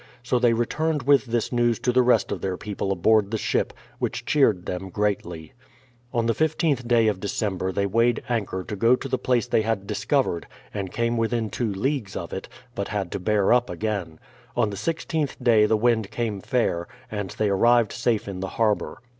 So they returned with this news to the rest of their people aboard the ship, which cheered them greatly. On the I5tli day of December they weighed anchor to go to the place they had discovered, and came within two 74 BRADFORD'S HISTORY leagues of it, but had to bear up again. On the i6th day the wind came fair, and they arrived safe in the harbour.